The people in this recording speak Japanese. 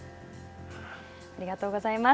ありがとうございます。